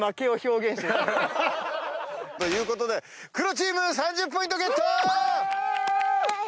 ということで黒チーム３０ポイントゲット！